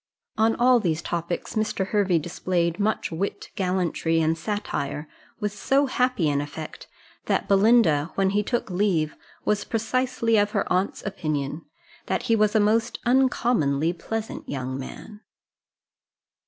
On all these topics Mr. Hervey displayed much wit, gallantry, and satire, with so happy an effect, that Belinda, when he took leave, was precisely of her aunt's opinion, that he was a most uncommonly pleasant young man.